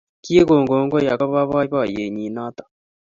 Kigon kongoi agoba boiboiyenyet noto